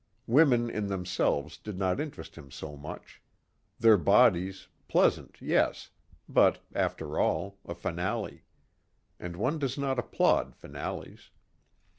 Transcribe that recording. Women in themselves did not interest him so much. Their bodies pleasant, yes. But after all a finale. And one does not applaud finales.